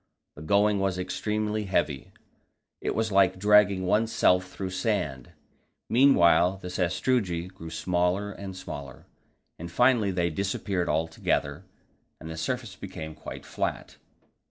The going was extremely heavy; it was like dragging oneself through sand. Meanwhile the sastrugi grew smaller and smaller, and finally they disappeared altogether, and the surface became quite flat.